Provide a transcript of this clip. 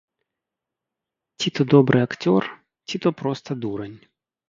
Ці то добры акцёр, ці то проста дурань.